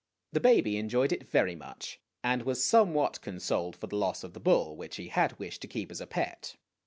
The baby enjoyed it very much, and was somewhat con soled for the loss of the bull, which he had wished to keep as a pet.